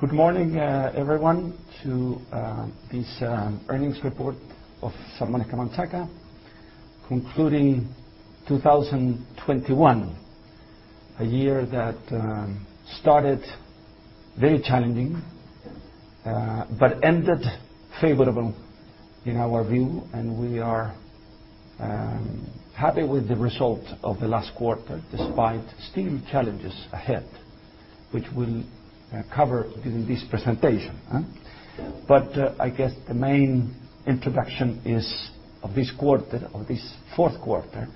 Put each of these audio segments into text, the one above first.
Good morning, everyone, to this earnings report of Salmones Camanchaca, concluding 2021, a year that started very challenging, but ended favorable in our view. We are happy with the result of the last quarter despite still challenges ahead, which we'll cover during this presentation. I guess the main introduction is of this quarter, of this fourth quarter,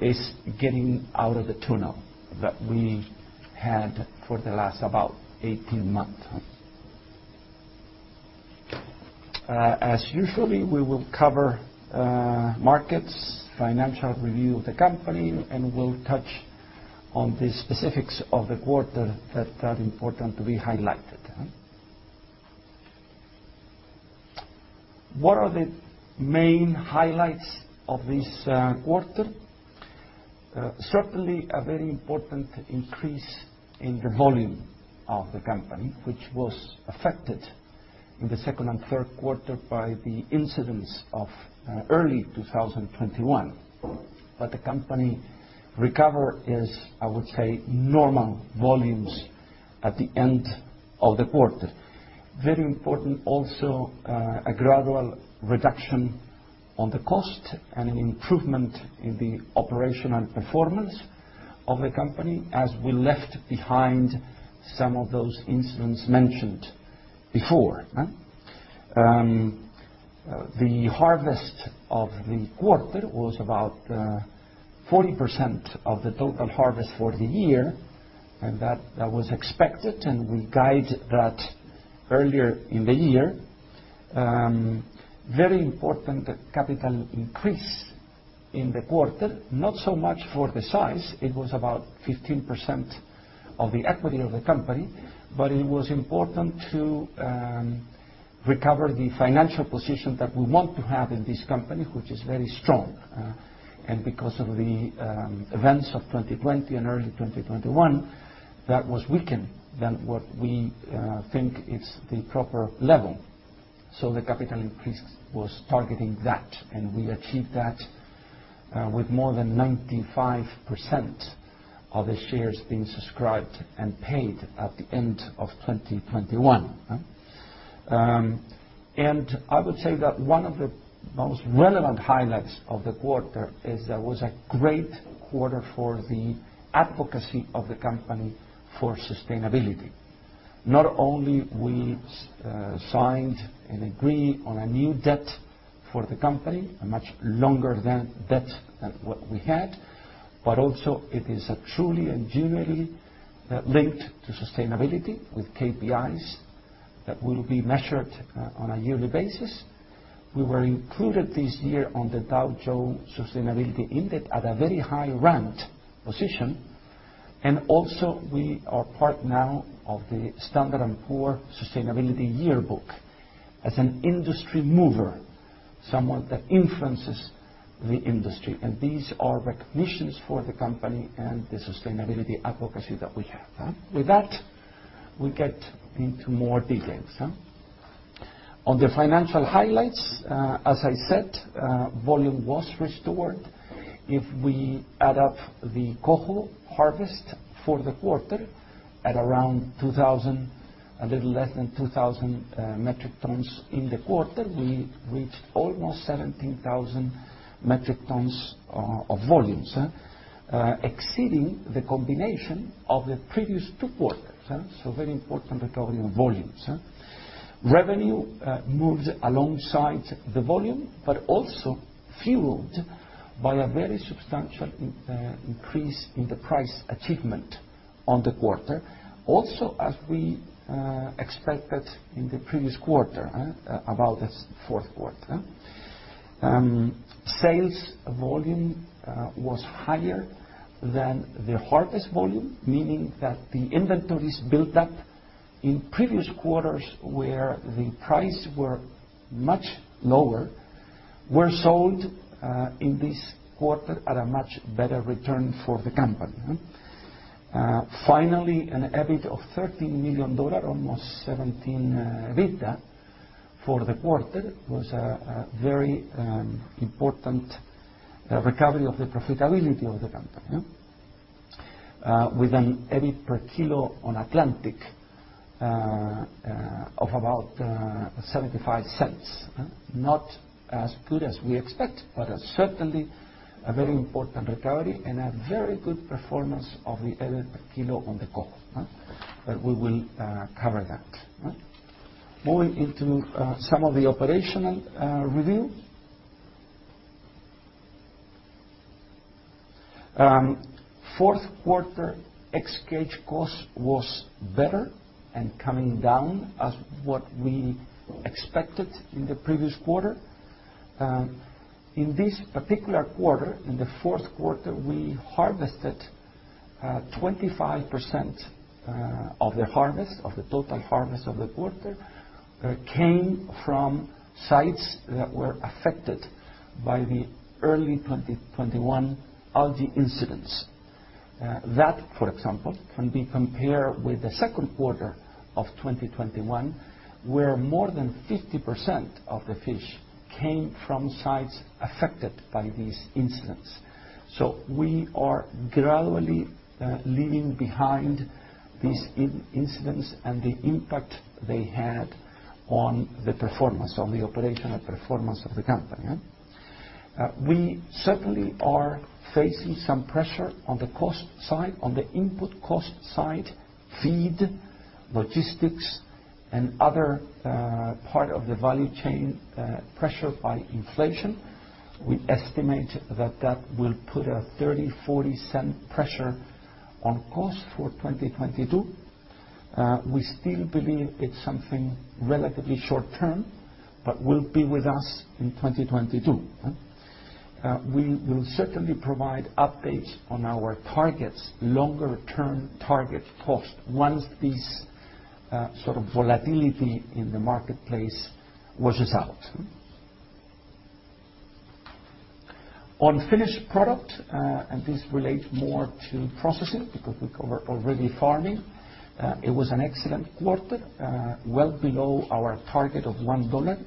is getting out of the tunnel that we had for the last about 18 months. As usual, we will cover markets, financial review of the company, and we'll touch on the specifics of the quarter that are important to be highlighted. What are the main highlights of this quarter? Certainly, a very important increase in the volume of the company, which was affected in the second and third quarter by the incidents of early 2021. The company recovered its, I would say, normal volumes at the end of the quarter. Very important also, a gradual reduction in the cost and an improvement in the operational performance of the company as we left behind some of those incidents mentioned before. The harvest of the quarter was about 40% of the total harvest for the year, and that was expected, and we guided that earlier in the year. Very important capital increase in the quarter, not so much for the size. It was about 15% of the equity of the company, but it was important to recover the financial position that we want to have in this company, which is very strong. Because of the events of 2020 and early 2021, that was weakened than what we think is the proper level. The capital increase was targeting that, and we achieved that with more than 95% of the shares being subscribed and paid at the end of 2021. I would say that one of the most relevant highlights of the quarter is that it was a great quarter for the advocacy of the company for sustainability. Not only we signed and agree on a new debt for the company, a much longer-term debt than what we had, but also it is a truly and genuinely linked to sustainability with KPIs that will be measured on a yearly basis. We were included this year on the Dow Jones Sustainability Index at a very high rank position. We are part now of the Standard & Poor's Sustainability Yearbook as an industry mover, someone that influences the industry. These are recognitions for the company and the sustainability advocacy that we have. With that, we get into more details. On the financial highlights, as I said, volume was restored. If we add up the Coho harvest for the quarter at around 2000, a little less than 2000, metric tons in the quarter, we reached almost 17,000 metric tons of volumes, exceeding the combination of the previous two quarters. Very important recovery on volumes. Revenue moves alongside the volume, but also fueled by a very substantial increase in the prices achieved on the quarter. Also, as we expected in the previous quarter about this fourth quarter, sales volume was higher than the harvest volume, meaning that the inventories built up in previous quarters where the prices were much lower, were sold in this quarter at a much better return for the company. Finally, an EBIT of $13 million, almost $17 million EBITDA for the quarter was a very important recovery of the profitability of the company. With an EBIT per kilo on Atlantic of about $0.75. Not as good as we expect, but certainly a very important recovery and a very good performance of the EBIT per kilo on the Coho. But we will cover that. Moving into some of the operational review. Fourth quarter ex-cage cost was better and coming down as what we expected in the previous quarter. In this particular quarter, in the fourth quarter, we harvested 25% of the harvest, of the total harvest of the quarter, came from sites that were affected by the early 2021 algae incidents. That, for example, can be compared with the second quarter of 2021, where more than 50% of the fish came from sites affected by these incidents. We are gradually leaving behind these incidents and the impact they had on the performance, on the operational performance of the company. We certainly are facing some pressure on the cost side, on the input cost side, feed, logistics, and other part of the value chain, pressure by inflation. We estimate that that will put a $0.30-$0.40 pressure on cost for 2022. We still believe it's something relatively short-term, but will be with us in 2022. We will certainly provide updates on our targets, longer-term target cost, once these sort of volatility in the marketplace washes out. On finished product, and this relates more to processing because we cover already farming, it was an excellent quarter, well below our target of $1.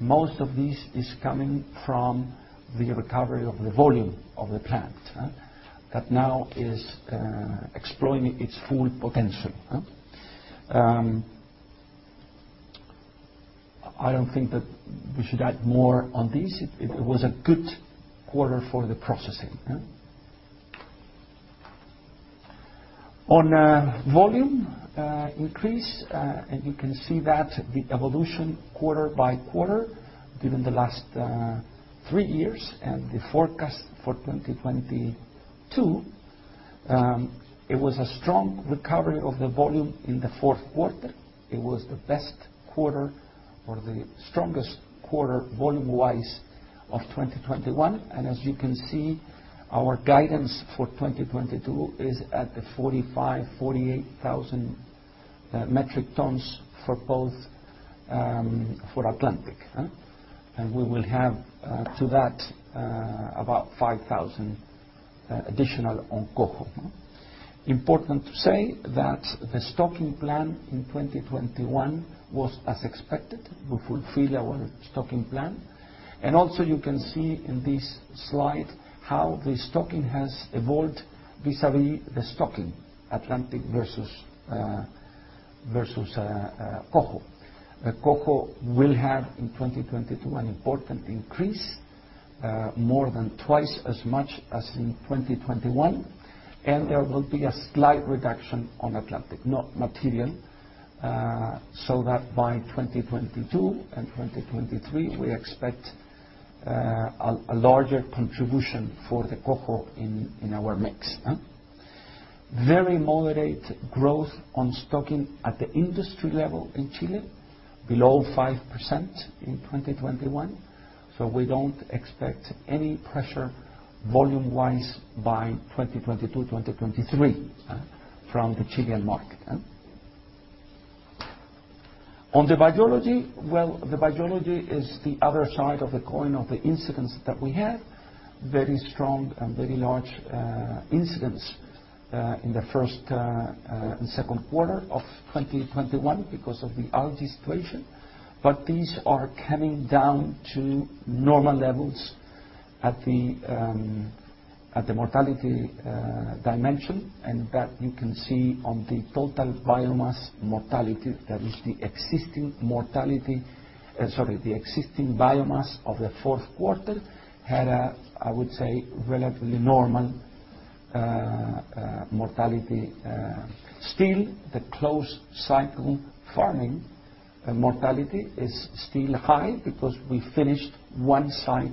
Most of this is coming from the recovery of the volume of the plant, that now is exploring its full potential. I don't think that we should add more on this. It was a good quarter for the processing. On volume increase, and you can see that the evolution quarter by quarter during the last three years and the forecast for 2022. It was a strong recovery of the volume in the fourth quarter. It was the best quarter or the strongest quarter volume-wise of 2021. As you can see, our guidance for 2022 is at the 45,000-48,000 metric tons for both, for Atlantic. We will have to that about 5,000 additional on Coho. Important to say that the stocking plan in 2021 was as expected. We fulfill our stocking plan. Also you can see in this slide how the stocking has evolved vis-à-vis the stocking, Atlantic versus Coho. The Coho will have in 2022 an important increase, more than twice as much as in 2021, and there will be a slight reduction on Atlantic, not material, so that by 2022 and 2023, we expect a larger contribution for the Coho in our mix. Very moderate growth on stocking at the industry level in Chile, below 5% in 2021. We don't expect any pressure volume-wise by 2022, 2023, from the Chilean market. On the biology, well, the biology is the other side of the coin of the incidents that we had, very strong and very large incidents in the first and second quarter of 2021 because of the algae situation, but these are coming down to normal levels at the mortality dimension, and that you can see on the total biomass mortality, that is the existing mortality. Sorry, the existing biomass of the fourth quarter had a, I would say, relatively normal mortality. Still, the closed cycle farming mortality is still high because we finished one site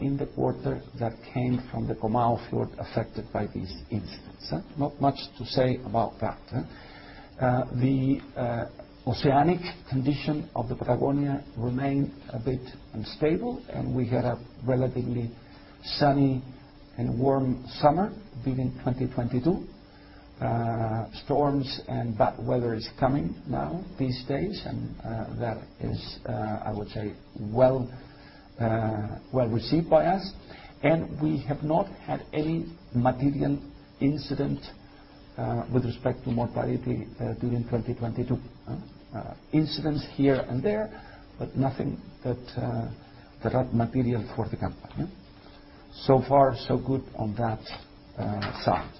in the quarter that came from the Comau Fjord affected by these incidents. Not much to say about that. The oceanic condition of the Patagonia remained a bit unstable, and we had a relatively sunny and warm summer beginning 2022. Storms and bad weather is coming now these days, and that is, I would say, well-received by us. We have not had any material incident with respect to mortality during 2022. Incidents here and there, but nothing that are material for the company. So far so good on that side.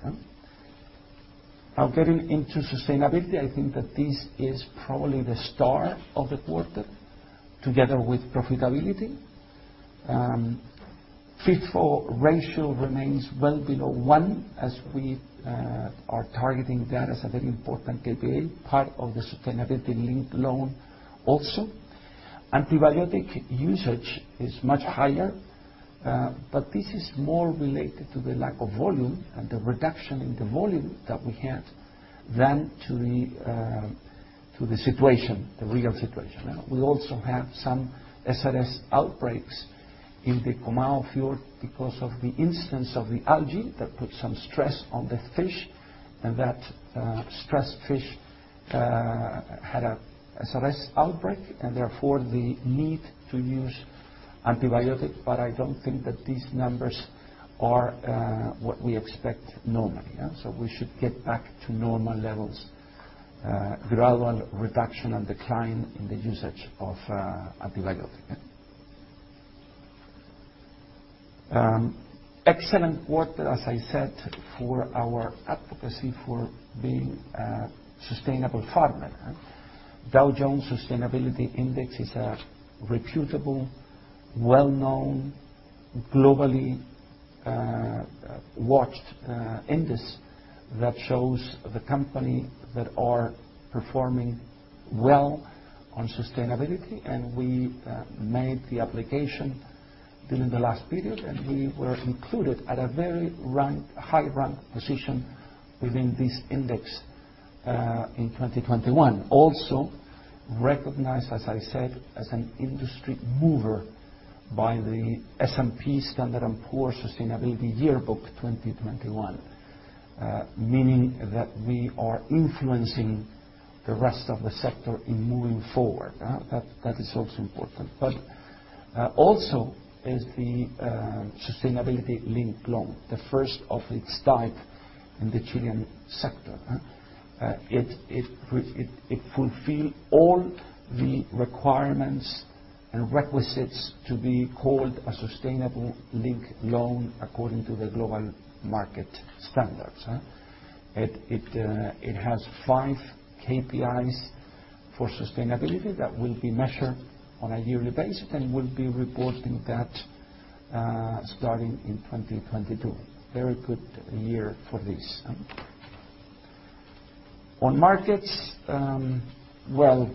Now getting into sustainability, I think that this is probably the star of the quarter together with profitability. Feed conversion ratio remains well below one as we are targeting that as a very important KPI, part of the sustainability-linked loan also. Antibiotic usage is much higher, but this is more related to the lack of volume and the reduction in the volume that we had than to the situation, the real situation. We also have some SRS outbreaks in the Comau Fjord because of the incidence of the algae that put some stress on the fish. That stressed fish had a SRS outbreak, and therefore, the need to use antibiotic, but I don't think that these numbers are what we expect normally. We should get back to normal levels, gradual reduction and decline in the usage of antibiotic. Excellent work, as I said, for our advocacy for being a sustainable farmer. Dow Jones Sustainability Index is a reputable, well-known, globally watched index that shows the companies that are performing well on sustainability. We made the application during the last period, and we were included at a very high rank position within this index in 2021. Also recognized, as I said, as an industry mover by the S&P Global Sustainability Yearbook 2021, meaning that we are influencing the rest of the sector in moving forward. That is also important. Also is the sustainability-linked loan, the first of its type in the Chilean sector, it fulfill all the requirements and requisites to be called a sustainability-linked loan according to the global market standards. It has five KPIs for sustainability that will be measured on a yearly basis and we'll be reporting that, starting in 2022. Very good year for this. On markets, well,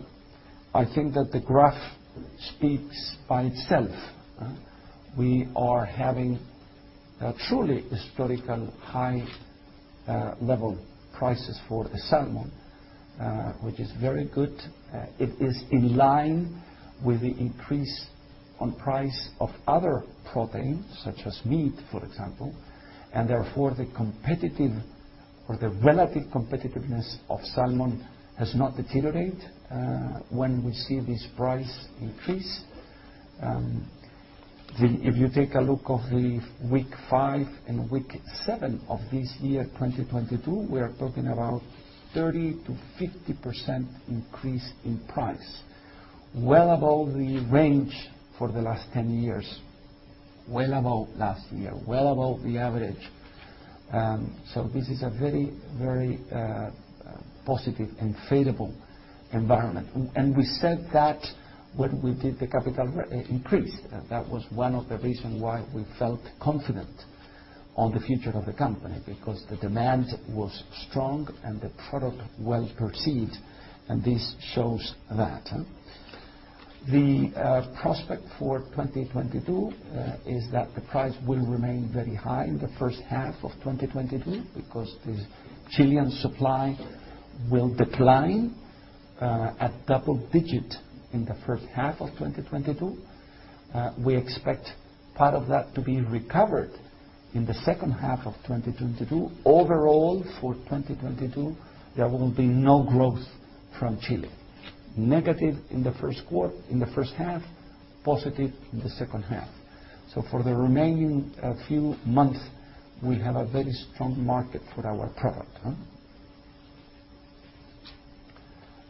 I think that the graph speaks by itself. We are having a truly historical high level prices for the salmon, which is very good. It is in line with the increase on price of other proteins, such as meat, for example, and therefore the competitive or the relative competitiveness of salmon has not deteriorate, when we see this price increase. If you take a look of the week five and week seven of this year, 2022, we are talking about 30%-50% increase in price. Well above the range for the last 10 years, well above last year, well above the average. So this is a very positive and favorable environment. We said that when we did the capital increase. That was one of the reasons why we felt confident on the future of the company, because the demand was strong and the product well-perceived, and this shows that. The prospects for 2022 is that the price will remain very high in the first half of 2022 because the Chilean supply will decline at double-digit in the first half of 2022. We expect part of that to be recovered in the second half of 2022. Overall, for 2022, there will be no growth from Chile. Negative in the first half, positive in the second half. For the remaining few months, we have a very strong market for our product.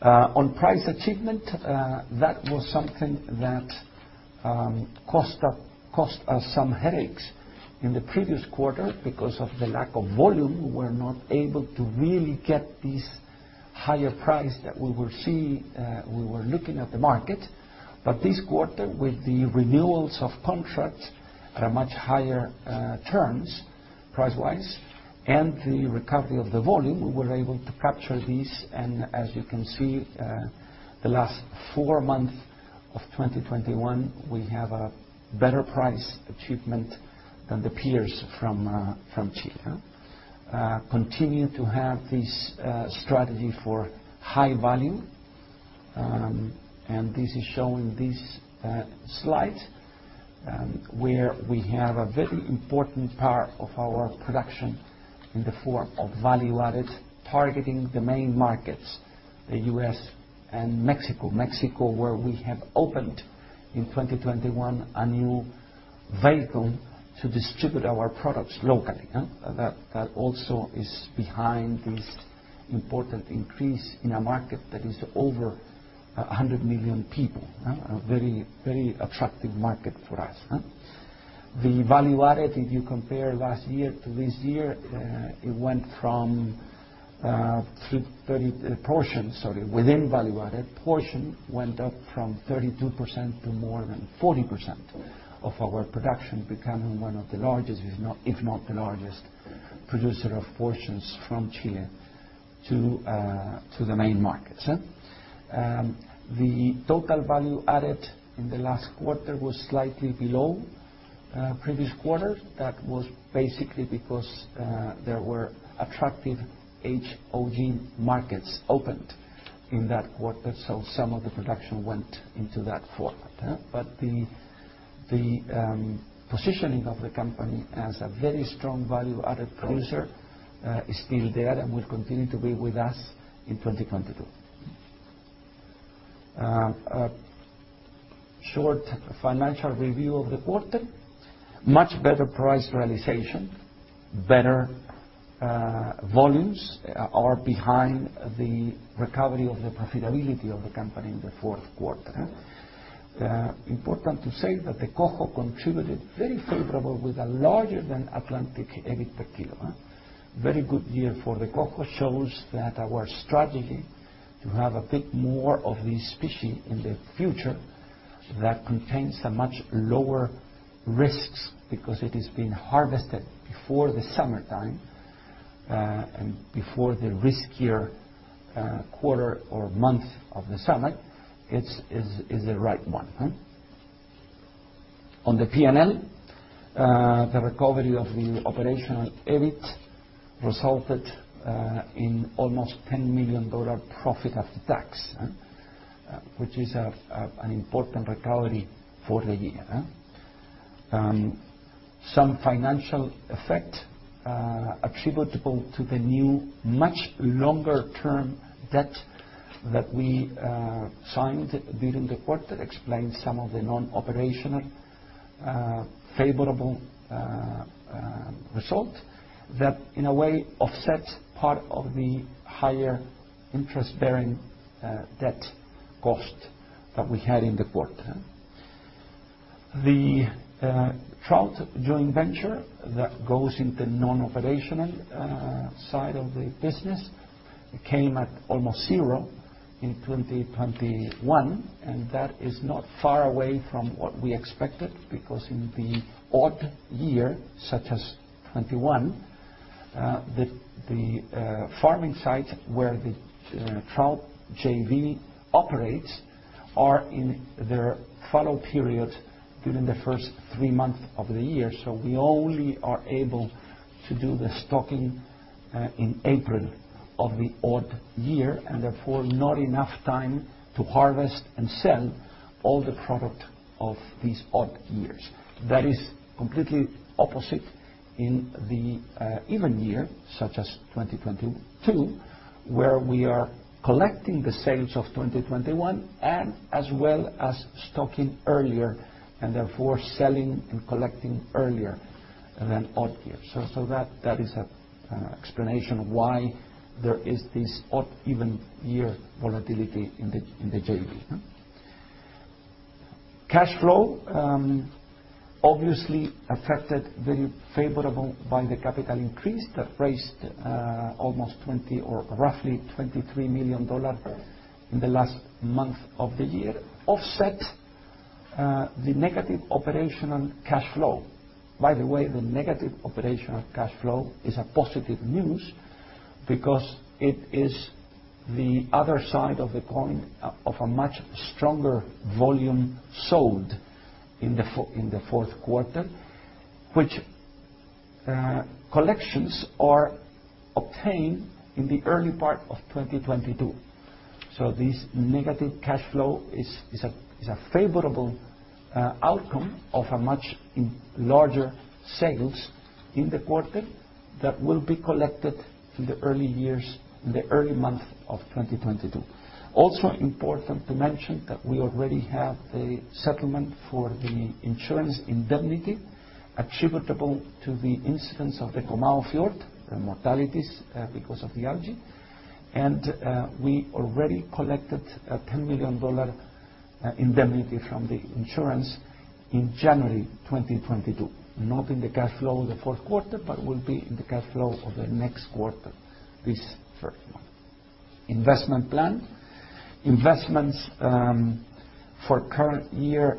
On price achievement, that was something that cost us some headaches in the previous quarter because of the lack of volume. We're not able to really get these higher price that we were seeing we were looking at the market. This quarter, with the renewals of contracts at a much higher terms price-wise, and the recovery of the volume, we were able to capture this, and as you can see, the last four months of 2021, we have a better price achievement than the peers from Chile. Continue to have this strategy for high value, and this is shown in this slide, where we have a very important part of our production in the form of value-added targeting the main markets, the U.S. and Mexico. Mexico, where we have opened in 2021 a new vehicle to distribute our products locally, that also is behind this important increase in a market that is over 100 million people. A very attractive market for us. The value-added, if you compare last year to this year, the portion within value-added went up from 32% to more than 40% of our production, becoming one of the largest, if not the largest producer of portions from Chile to the main markets. The total value-added in the last quarter was slightly below previous quarters. That was basically because there were attractive HOG markets opened in that quarter, so some of the production went into that format. The positioning of the company as a very strong value-added producer is still there and will continue to be with us in 2022. A short financial review of the quarter. Much better price realization, better volumes are behind the recovery of the profitability of the company in the fourth quarter. Important to say that the Coho contributed very favorable with a larger than Atlantic EBIT per kilo. Very good year for the Coho shows that our strategy to have a bit more of the species in the future that contains a much lower risks because it is being harvested before the summertime and before the riskier quarter or month of the summer is the right one. On the P&L, the recovery of the operational EBIT resulted in almost $10 million profit after tax, which is an important recovery for the year. Some financial effect attributable to the new much longer-term debt that we signed during the quarter explains some of the non-operational favorable result that, in a way, offsets part of the higher interest-bearing debt cost that we had in the quarter. The trout joint venture that goes into non-operational side of the business came at almost zero in 2021, and that is not far away from what we expected, because in the odd year, such as 2021, the farming sites where the trout JV operates are in their fallow period during the first three months of the year. We only are able to do the stocking in April of the odd year, and therefore not enough time to harvest and sell all the product of these odd years. That is completely opposite in the even year, such as 2022, where we are collecting the sales of 2021 and as well as stocking earlier and therefore selling and collecting earlier than odd years. That is a explanation of why there is this odd-even year volatility in the JV cash flow, obviously affected very favorably by the capital increase that raised almost 20 or roughly $23 million in the last month of the year, offset the negative operational cash flow. By the way, the negative operational cash flow is a positive news because it is the other side of the coin of a much stronger volume sold in the fourth quarter, which collections are obtained in the early part of 2022. This negative cash flow is a favorable outcome of a much larger sales in the quarter that will be collected in the early months of 2022. Also important to mention that we already have the settlement for the insurance indemnity attributable to the incidents of the Comau Fjord, the mortalities because of the algae. We already collected a $10 million indemnity from the insurance in January 2022, not in the cash flow of the fourth quarter, but will be in the cash flow of the next quarter, this first month. Investment plan. Investments for current year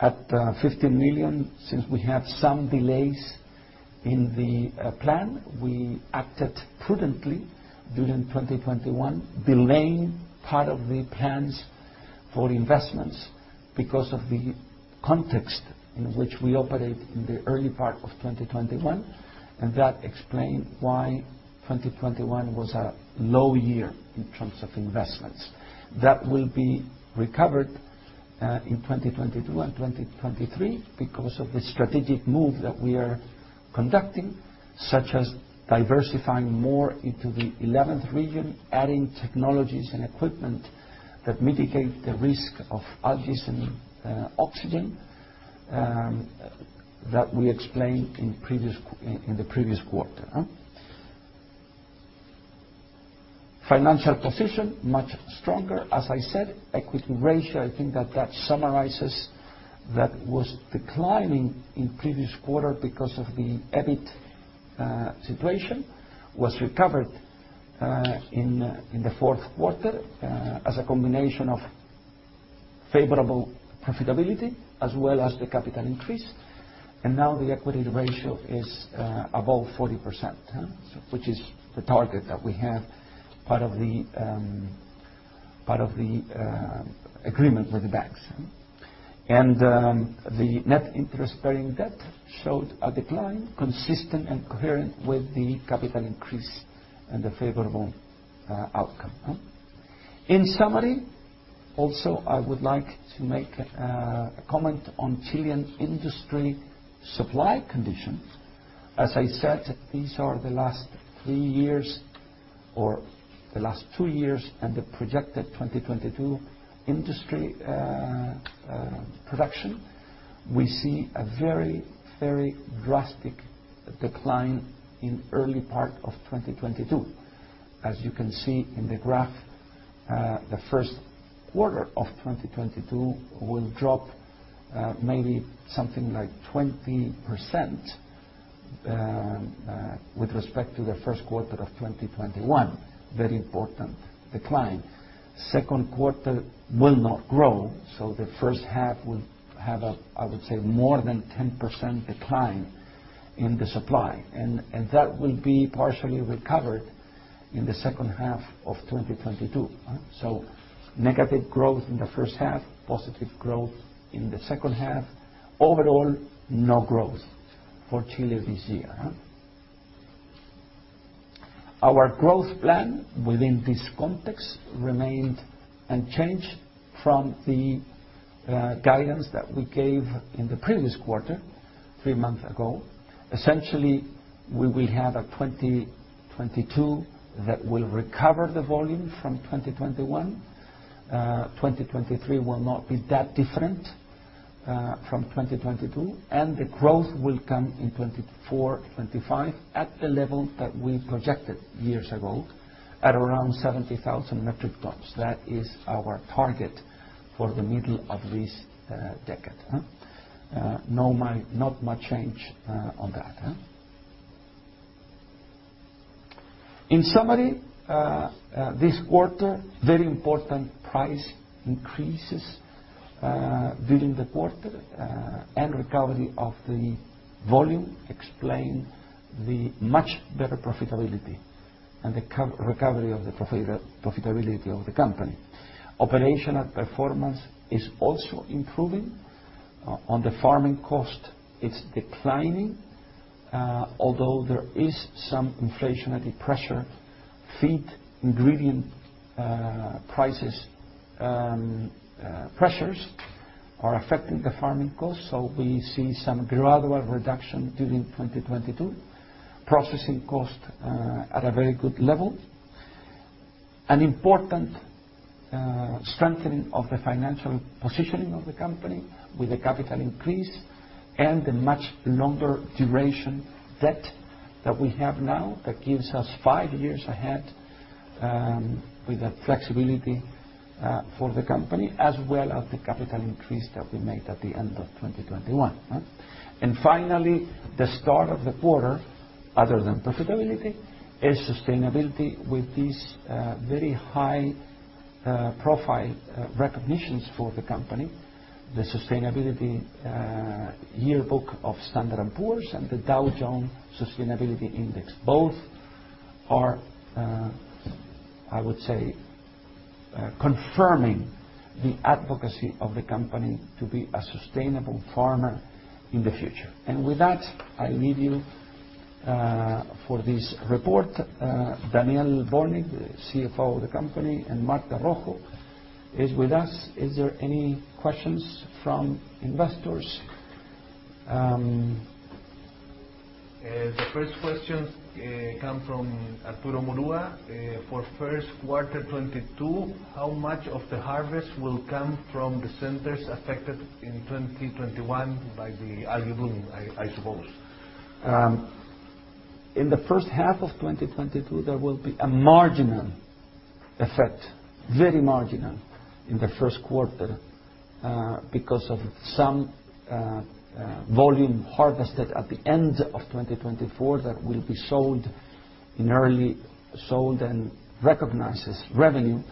at $50 million. Since we have some delays in the plan, we acted prudently during 2021, delaying part of the plans for investments because of the context in which we operate in the early part of 2021, and that explained why 2021 was a low year in terms of investments. That will be recovered in 2022 and 2023 because of the strategic move that we are conducting, such as diversifying more into the 11th region, adding technologies and equipment that mitigate the risk of algae and oxygen that we explained in the previous quarter. Financial position, much stronger. As I said, equity ratio, I think that summarizes that was declining in previous quarter because of the EBIT situation, was recovered in the fourth quarter as a combination of favorable profitability as well as the capital increase. Now the equity ratio is above 40%. Which is the target that we have, part of the agreement with the banks. The net interest-bearing debt showed a decline consistent and coherent with the capital increase and the favorable outcome. In summary, also, I would like to make a comment on Chilean industry supply conditions. As I said, these are the last three years or the last two years and the projected 2022 industry production. We see a very drastic decline in early part of 2022. As you can see in the graph, the first quarter of 2022 will drop maybe something like 20% with respect to the first quarter of 2021. Very important decline. Second quarter will not grow, so the first half will have a, I would say, more than 10% decline in the supply. That will be partially recovered in the second half of 2022. Negative growth in the first half, positive growth in the second half. Overall, no growth for Chile this year. Our growth plan within this context remained unchanged from the guidance that we gave in the previous quarter, three months ago. Essentially, we will have a 2022 that will recover the volume from 2021, 2023 will not be that different from 2022, and the growth will come in 2024, 2025 at the level that we projected years ago at around 70,000 metric tons. That is our target for the middle of this decade. Not much change on that. In summary, this quarter, very important price increases during the quarter and recovery of the volume explain the much better profitability and the recovery of the profitability of the company. Operational performance is also improving. On the farming cost, it's declining, although there is some inflationary pressure. Feed ingredient price pressures are affecting the farming cost, so we see some gradual reduction during 2022. Processing cost at a very good level. An important strengthening of the financial positioning of the company with a capital increase and a much longer duration debt that we have now that gives us five years ahead, with the flexibility for the company, as well as the capital increase that we made at the end of 2021. Finally, the star of the quarter, other than profitability, is sustainability with these very high profile recognitions for the company. The Sustainability Yearbook of Standard & Poor's and the Dow Jones Sustainability Index. Both are, I would say, confirming the advocacy of the company to be a sustainable farmer in the future. With that, I leave you for this report. Daniel Bortnik Ventura, the CFO of the company, and Manuel Arriagada Ossa is with us. Is there any questions from investors? The first question come from Arturo Murúa. For first quarter 2022, how much of the harvest will come from the centers affected in 2021 by the algae bloom, suppose? In the first half of 2022, there will be a marginal effect, very marginal in the first quarter, because of some volume harvested at the end of 2024 that will be sold and sold early and recognized as revenue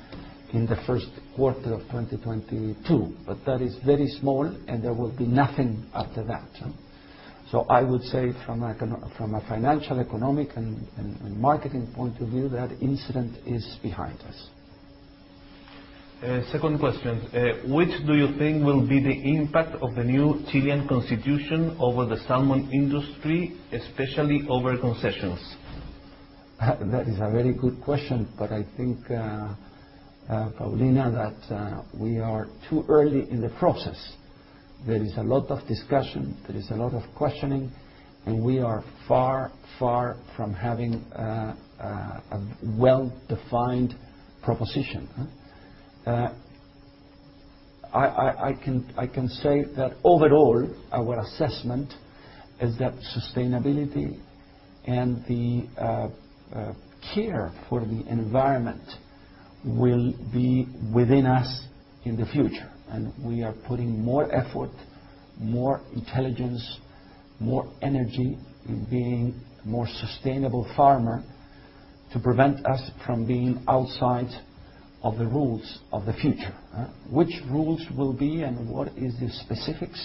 in the first quarter of 2022. That is very small, and there will be nothing after that. I would say from a financial, economic, and marketing point of view, that incident is behind us. Second question. Which do you think will be the impact of the new Chilean constitution over the salmon industry, especially over concessions? That is a very good question, but I think, Paulina, that we are too early in the process. There is a lot of discussion, there is a lot of questioning, and we are far, far from having a well-defined proposition, huh? I can say that overall, our assessment is that sustainability and the care for the environment will be within us in the future, and we are putting more effort, more intelligence, more energy in being more sustainable farmer to prevent us from being outside of the rules of the future, huh? Which rules will be and what is the specifics,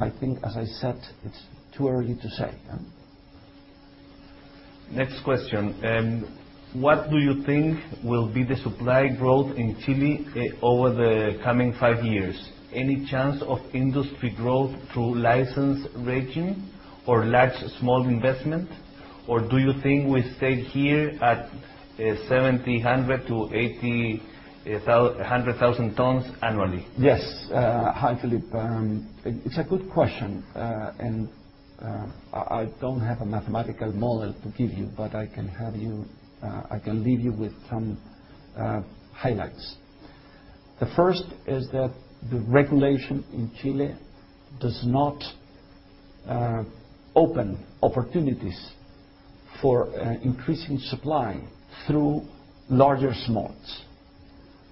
I think, as I said, it's too early to say, huh? Next question. What do you think will be the supply growth in Chile over the coming five years? Any chance of industry growth through license regime or large-scale investment? Do you think we stay here at 700,000-800,000 tons annually? Yes. Hi, Philip. It's a good question. I don't have a mathematical model to give you, but I can leave you with some highlights. The first is that the regulation in Chile does not open opportunities for increasing supply through larger smolts.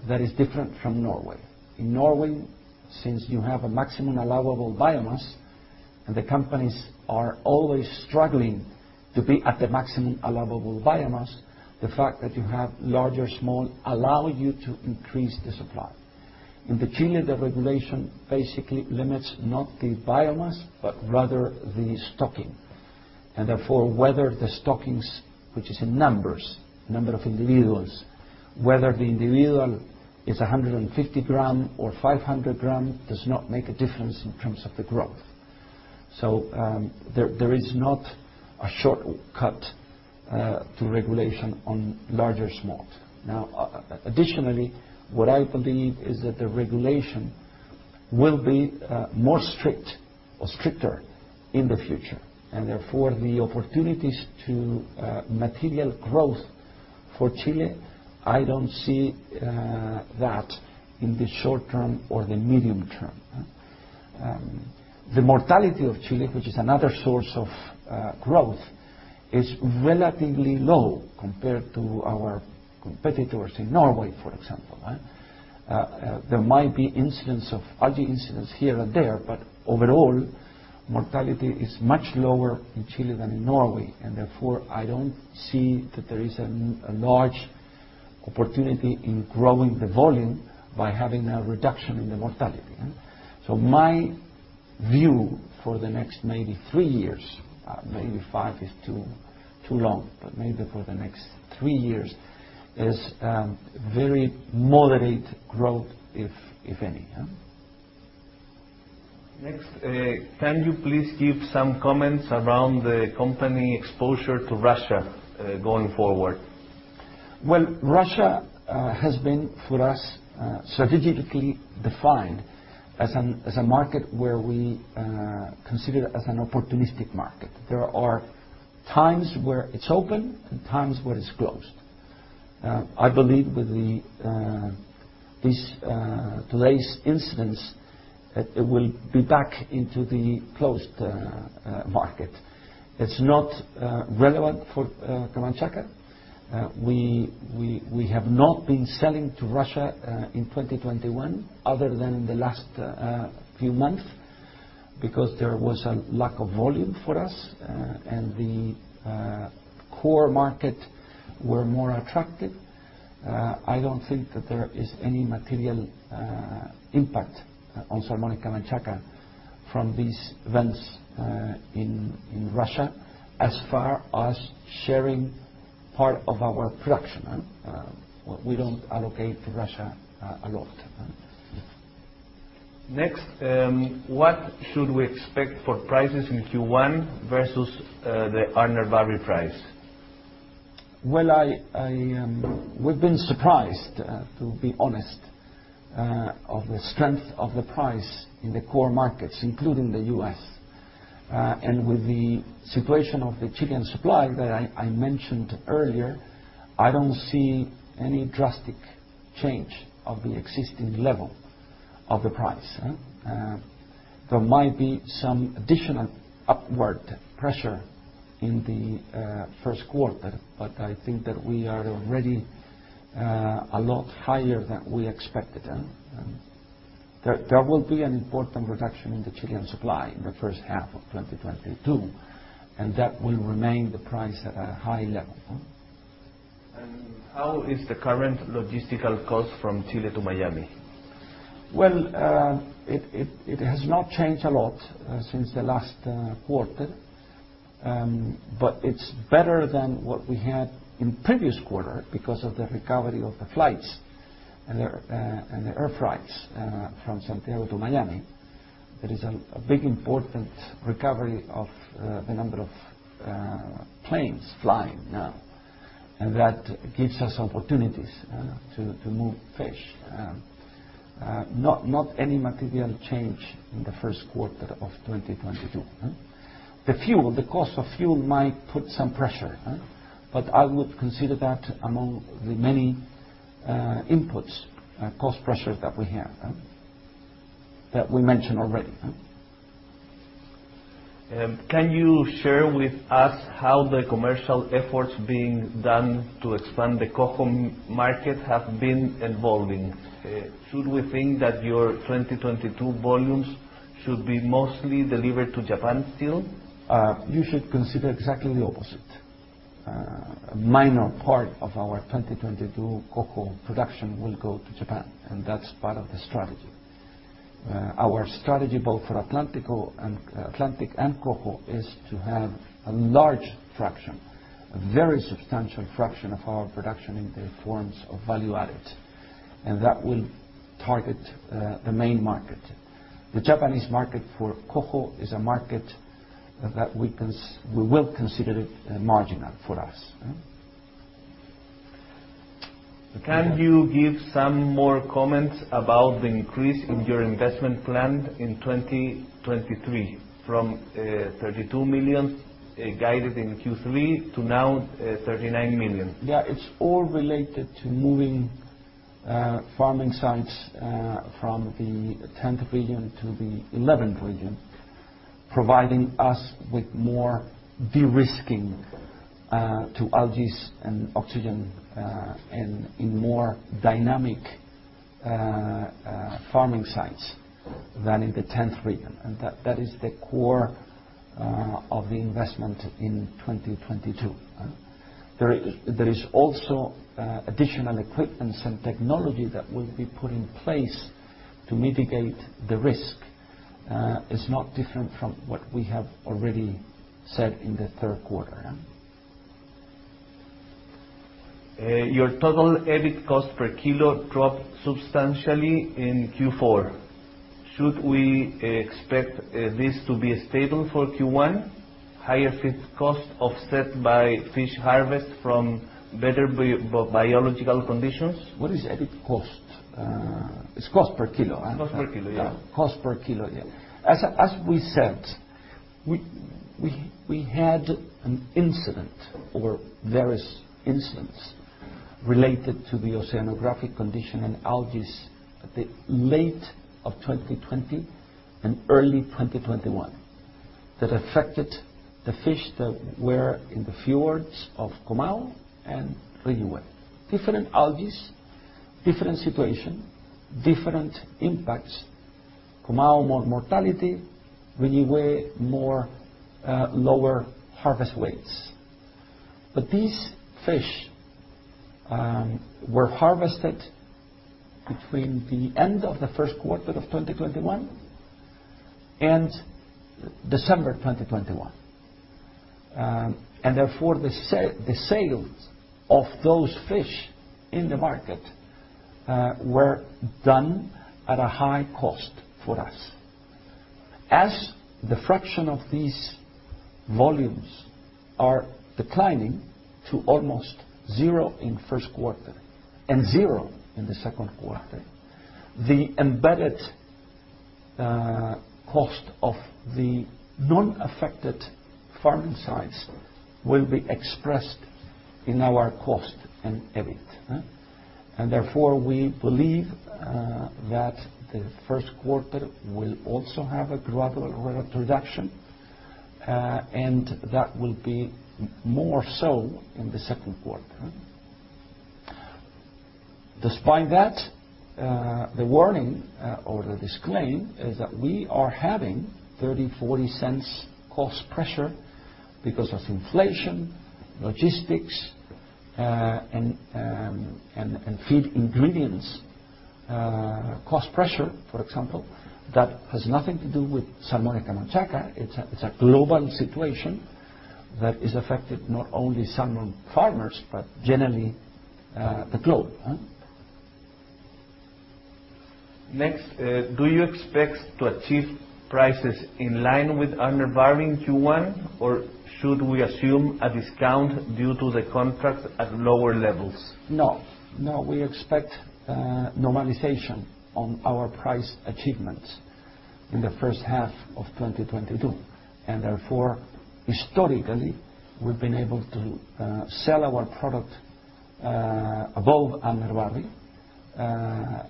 That is different from Norway. In Norway, since you have a maximum allowable biomass, and the companies are always struggling to be at the maximum allowable biomass, the fact that you have larger smolts allow you to increase the supply. In Chile, the regulation basically limits not the biomass, but rather the stocking. Therefore, whether the stockings, which is in numbers, number of individuals, whether the individual is a 150-gram or 500-gram does not make a difference in terms of the growth. There is not a shortcut to regulation on larger smolt. Additionally, what I believe is that the regulation will be more strict or stricter in the future, and therefore, the opportunities to material growth for Chile, I don't see that in the short term or the medium term. The mortality of Chile, which is another source of growth, is relatively low compared to our competitors in Norway, for example. There might be algae incidents here and there, but overall, mortality is much lower in Chile than in Norway, and therefore, I don't see that there is a large opportunity in growing the volume by having a reduction in the mortality. My view for the next maybe three years, maybe five is too long, but maybe for the next three years is very moderate growth, if any. Next, can you please give some comments around the company exposure to Russia, going forward? Well, Russia has been, for us, strategically defined as a market where we consider as an opportunistic market. There are times where it's open and times where it's closed. I believe with this today's incidents, it will be back into the closed market. It's not relevant for Camanchaca. We have not been selling to Russia in 2021 other than the last few months because there was a lack of volume for us and the core market were more attractive. I don't think that there is any material impact on Salmones Camanchaca from these events in Russia as far as sharing part of our production. We don't allocate Russia a lot. Next, what should we expect for prices in Q1 versus the Urner Barry price? Well, we've been surprised, to be honest, of the strength of the price in the core markets, including the U.S. With the situation of the Chilean supply that I mentioned earlier, I don't see any drastic change of the existing level of the price, huh? There might be some additional upward pressure in the first quarter, but I think that we are already a lot higher than we expected, huh? There will be an important reduction in the Chilean supply in the first half of 2022, and that will remain the price at a high level, huh? How is the current logistical cost from Chile to Miami? Well, it has not changed a lot since the last quarter. It's better than what we had in previous quarter because of the recovery of the flights and the air freights from Santiago to Miami. There is a big important recovery of the number of planes flying now, and that gives us opportunities to move fish. Not any material change in the first quarter of 2022, huh? The cost of fuel might put some pressure, huh? I would consider that among the many input cost pressures that we have, huh? That we mentioned already, huh? Can you share with us how the commercial efforts being done to expand the Coho market have been evolving? Should we think that your 2022 volumes should be mostly delivered to Japan still? You should consider exactly the opposite. A minor part of our 2022 Coho production will go to Japan, and that's part of the strategy. Our strategy both for Atlantic and Coho is to have a large fraction, a very substantial fraction of our production in the forms of value-added. That will target the main market. The Japanese market for Coho is a market that we consider it marginal for us. Can you give some more comments about the increase in your investment plan in 2023 from $32 million guided in Q3 to now $39 million? Yeah, it's all related to moving farming sites from the 10th region to the 11th region, providing us with more de-risking to algae and oxygen, and in more dynamic farming sites than in the 10th region. That is the core of the investment in 2022. There is also additional equipment and technology that will be put in place to mitigate the risk. It's not different from what we have already said in the third quarter. Your total EBIT cost per kilo dropped substantially in Q4. Should we expect this to be stable for Q1, higher feed cost offset by fish harvest from better biological conditions? What is EBIT cost? It's cost per kilo. Cost per kilo, yeah. Cost per kilo, yeah. As we said, we had an incident or various incidents related to the oceanographic condition and algae in late 2020 and early 2021 that affected the fish that were in the fjords of Comau and Riñihué. Different algae, different situation, different impacts. Comau, more mortality. Riñihué, more lower harvest weights. These fish were harvested between the end of the first quarter of 2021 and December 2021. Therefore, the sales of those fish in the market were done at a high cost for us. As the fraction of these volumes are declining to almost zero in first quarter and zero in the second quarter, the embedded cost of the non-affected farming sites will be expressed in our cost and EBIT. Therefore, we believe that the first quarter will also have a gradual reduction, and that will be more so in the second quarter. Despite that, the warning or the disclaimer is that we are having $0.30-$0.40 cost pressure because of inflation, logistics, and feed ingredients cost pressure, for example, that has nothing to do with Salmones Camanchaca. It's a global situation that has affected not only salmon farmers, but generally the globe. Next, do you expect to achieve prices in line with Andvaring Q1, or should we assume a discount due to the contract at lower levels? No. We expect normalization on our price achievements in the first half of 2022. Therefore, historically, we've been able to sell our product above Urner Barry,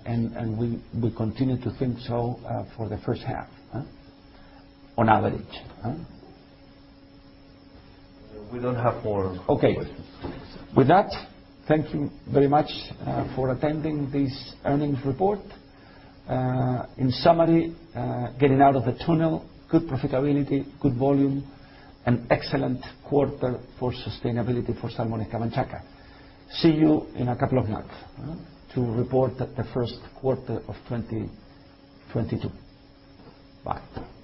and we continue to think so for the first half, on average. We don't have more questions. Okay. With that, thank you very much for attending this earnings report. In summary, getting out of the tunnel, good profitability, good volume, and excellent quarter for sustainability for Salmones Camanchaca. See you in a couple of months to report the first quarter of 2022. Bye.